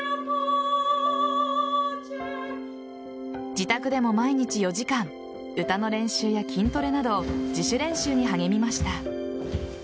自宅でも毎日４時間歌の練習や筋トレなど自主練習に励みました。